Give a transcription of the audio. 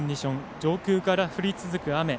上空から降り続く雨。